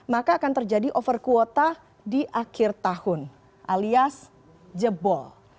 maka akan terjadi over kuota di akhir tahun alias jebol